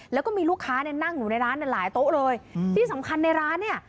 แล้วก็มีลูกค้าเนี่ยนั่งอยู่ในร้านเนี่ยหลายโต๊ะเลยอืมที่สำคัญในร้านเนี่ย